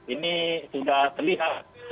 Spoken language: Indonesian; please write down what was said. ini sudah terlihat